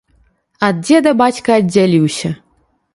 Ад дзеда бацька аддзяліўся.